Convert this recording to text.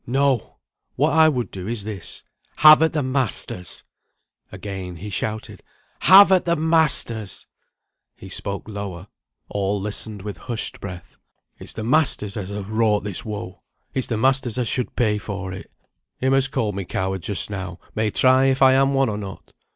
No! what I would do is this. Have at the masters!" Again he shouted, "Have at the masters!" He spoke lower; all listened with hushed breath. "It's the masters as has wrought this woe; it's the masters as should pay for it. Him as called me coward just now, may try if I am one or not.